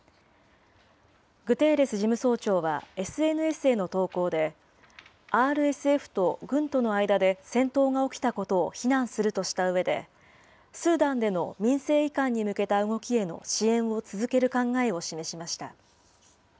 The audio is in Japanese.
グテーレス事務総長はＳＮＳへの投稿で、ＲＳＦと軍との間で戦闘が起きたことを非難するとしたうえで、スーダンでの民政移管に向けた動きへの支援を続ける考えを示しました。